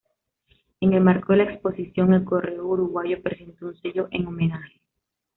En el marco de la exposición, el Correo Uruguayo presentó un sello en homenaje.